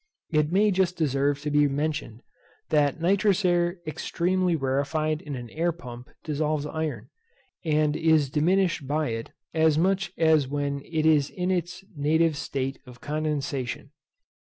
It may just deserve to be mentioned, that nitrous air extremely rarified in an air pump dissolves iron, and is diminished by it as much as when it is in its native state of condensation.